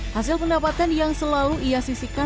hasil pendapatan yang selalu ia sisikan